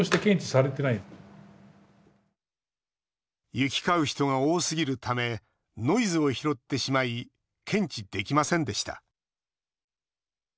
行き交う人が多すぎるためノイズを拾ってしまい検知できませんでした。